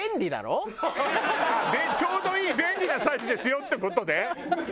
「ちょうどいい便利なサイズですよ」って事ね。